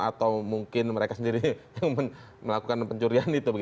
atau mungkin mereka sendiri yang melakukan pencurian itu